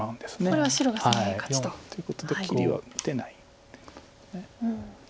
これは白が攻め合い勝ちと。ということで切りは打てないということで。